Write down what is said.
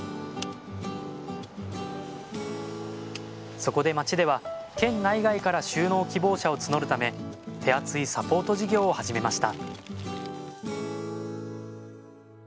そこで町では県内外から就農希望者を募るため手厚いサポート事業を始めました